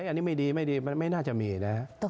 อันนี้ไม่ดีไม่น่าจะมีนะครับ